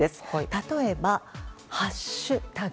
例えば、ハッシュタグ。